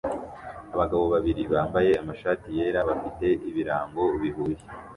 Abagabo babiri bambaye amashati yera bafite ibirango bihuye